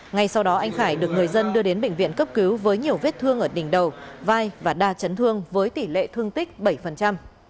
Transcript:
ngay sau đó anh khải được người dân đưa đến bệnh viện cấp cứu với nhiều vết thương ở đỉnh đầu vai và đa chấn thương với tỷ lệ thương tích bảy